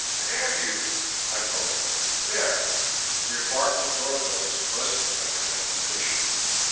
"Damn you!" I told her. "There." The apartment door bell was buzzing like an accusation.